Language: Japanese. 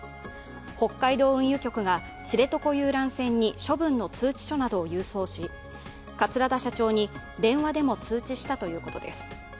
北海道運輸局が知床遊覧船に処分の通知書などを郵送し桂田社長に電話でも通知したということです。